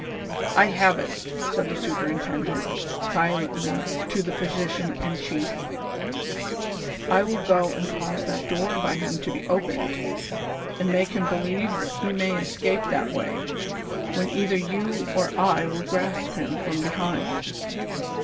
"I have it," said the superintendent, silently, to the physician in chief; "I will go and cause that door by him to be opened, and make him believe that he may escape that way, when either you or I will grasp him from be hind."